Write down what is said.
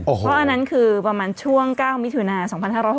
เพราะอันนั้นคือประมาณช่วง๙มิถุนา๒๕๖๖